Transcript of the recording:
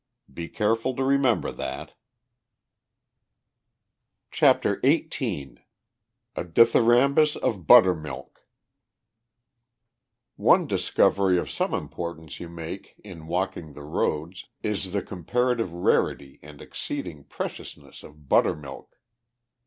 Be careful to remember that. CHAPTER XVIII A DITHYRAMBUS OF BUTTEEMILK One discovery of some importance you make in walking the roads is the comparative rarity and exceeding preciousness of buttermilk.